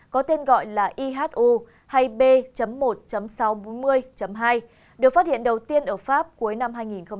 có tên gọi là ihu hay b một sáu trăm bốn mươi hai được phát hiện đầu tiên ở pháp cuối năm hai nghìn một mươi ba